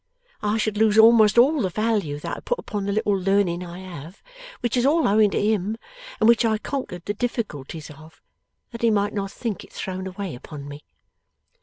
I should lose almost all the value that I put upon the little learning I have, which is all owing to him, and which I conquered the difficulties of, that he might not think it thrown away upon me.